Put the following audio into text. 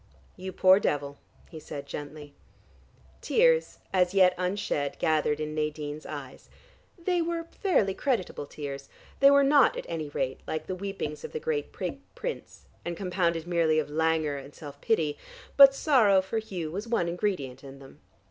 "You poor devil," he said gently. Tears, as yet unshed, gathered in Nadine's eyes. They were fairly creditable tears: they were not at any rate like the weepings of the great prig prince and compounded merely of "languor and self pity," but sorrow for Hugh was one ingredient in them.